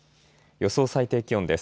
予想最低気温です。